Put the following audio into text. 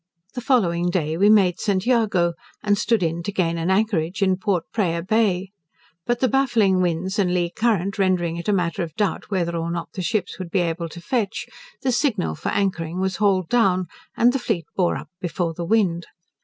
The following day we made St. Jago, and stood in to gain an anchorage in Port Praya Bay. But the baffling winds and lee current rendering it a matter of doubt whether or not the ships would be able to fetch, the signal for anchoring was hauled down, and the fleet bore up before the wind.